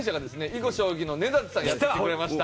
囲碁将棋の根建さんやってくれました。